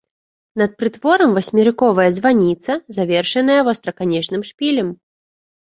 Над прытворам васьмерыковая званіца, завершаная востраканечным шпілем.